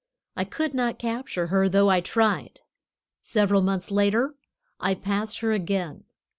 I could not capture her, though I tried. Several months later I passed her again.